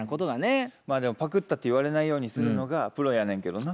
でもパクったって言われないようにするのがプロやねんけどな。